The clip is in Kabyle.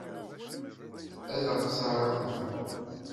Ad ɣ-t-tɛeṛḍem?